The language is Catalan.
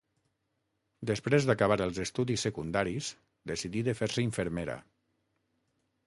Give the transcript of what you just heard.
Després d'acabar els estudis secundaris, decidí de fer-se infermera.